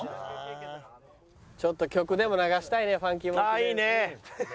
ああいいね！